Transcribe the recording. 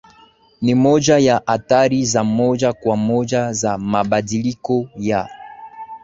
Ni moja ya athari za moja kwa moja za mabadiliko ya